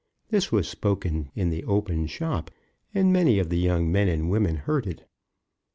This was spoken in the open shop, and many of the young men and women heard it.